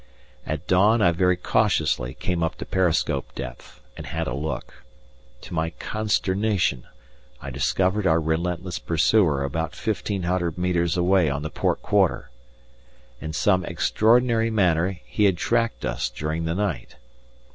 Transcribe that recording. At dawn I very cautiously came up to periscope depth, and had a look. To my consternation I discovered our relentless pursuer about 1,500 metres away on the port quarter. In some extraordinary manner he had tracked us during the night.